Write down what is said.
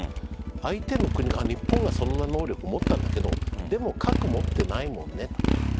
相手の国が、日本がその能力を持ったけどでも、核を持っていないもんねと。